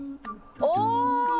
お！